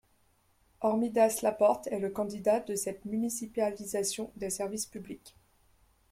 Hormidas Laporte est le candidat de cette municipalisation des services publics.